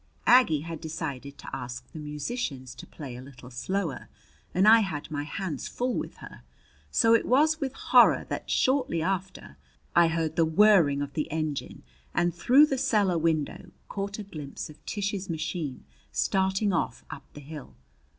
Aggie had decided to ask the musicians to play a little slower and I had my hands full with her; so it was with horror that, shortly after, I heard the whirring of the engine and through the cellar window caught a glimpse of Tish's machine starting off up the hill.